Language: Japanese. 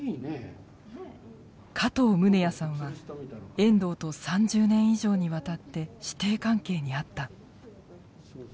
加藤宗哉さんは遠藤と３０年以上にわたって師弟関係にあった。